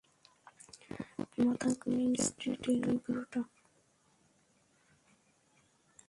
মাধা কোয়েল স্ট্রীটের ওই বুড়োটা?